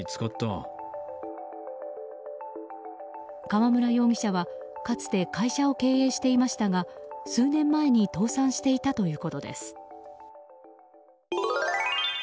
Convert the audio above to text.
川村容疑者はかつて会社を経営していましたが数年前に倒産していたということです。